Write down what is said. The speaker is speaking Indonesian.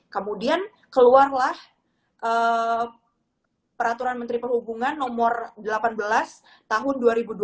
kemudian keluarlah peraturan menteri perhubungan nomor delapan belas tahun dua ribu dua puluh